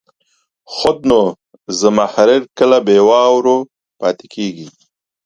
خود نو، زمهریر کله بې واورو پاتې کېږي.